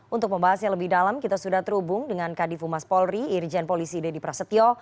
untuk membahasnya lebih dalam kita sudah terhubung dengan kadifu mas polri irjen polisi dedy prasetyo